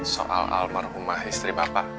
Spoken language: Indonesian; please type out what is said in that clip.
soal almarhumah istri bapak